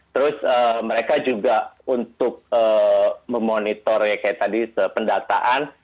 terus mereka juga untuk memonitor ya kayak tadi pendataan